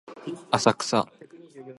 浅草